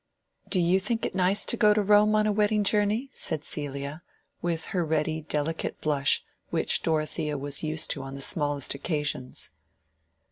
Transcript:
"Do you think it nice to go to Rome on a wedding journey?" said Celia, with her ready delicate blush which Dorothea was used to on the smallest occasions.